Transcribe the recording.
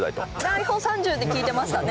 台本３０で聞いてましたね。